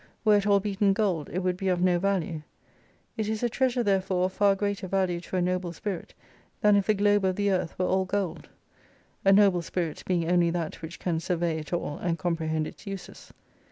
Were it all beaten gold it would be of no value. It is a treasure therefore of far greater value to a noble spirit than if the globe of the earth were all gold. A noble spirit being only that which can survey it all, and comprehend its uses.